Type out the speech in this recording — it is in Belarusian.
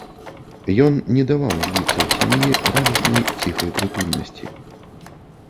Ён не даваў звіцца ў сям'і радаснай, ціхай прытульнасці.